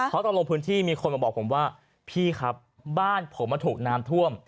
เพราะตอนลงพื้นที่มีคนมาบอกผมว่าพี่ครับบ้านผมถูกน้ำท่วม